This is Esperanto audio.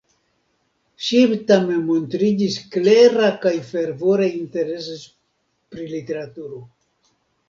Ŝi tamen montriĝis klera kaj fervore interesis pri literaturo.